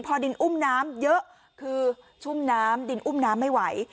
พอดินอุ้มน้ำเยอะคือชุ่มน้ำดินอุ้มน้ำไม่ไหว